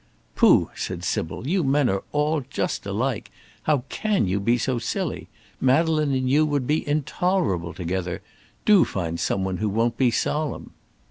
"Pooh!" said Sybil; "you men are all just alike. How can you be so silly? Madeleine and you would be intolerable together. Do find some one who won't be solemn!"